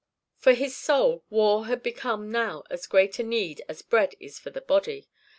For his soul war had become now as great a need as bread is for the body.